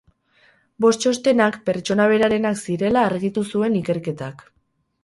Bost txostenak pertsona berarenak zirela argitu zuen ikerketak.